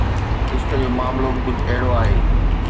عشق جو معاملو به ڪجهه اهڙو آهي.